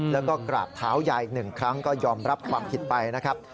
แล้วก็กราบเท้ายายอีกหนึ่งครั้งก็ยอมรับความผิดไปนะครับ